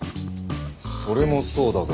それもそうだが。